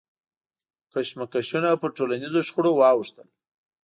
کشمکشونه پر ټولنیزو شخړو واوښتل.